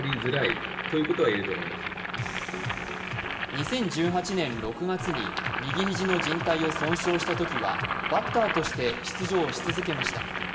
２０１８年６月に右肘のじん帯を損傷したときはバッターとして出場し続けました。